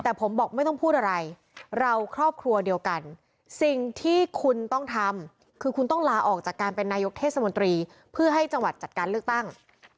แต่ผมบอกไม่ต้องพูดอะไรเราครอบครัวเดียวกันสิ่งที่คุณต้องทำคือคุณต้องลาออกจากการเป็นนายกเทศมนตรีเพื่อให้จังหวัดจัดการเลือกตั้ง